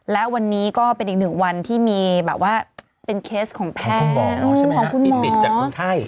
และวันนี้ก็เป็นอีก๑วันที่มีแบบว่าเป็นเคสของแพทย์ของคุณหมอใช่ไหมครับติดติดจากคุณไทย